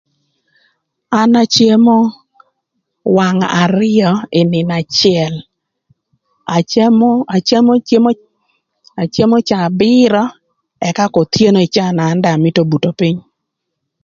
An acemo wang arïö ï nïnö acël, acemo caa abïrö ëka kothyeno ï caa na an do amïtö buto pïny.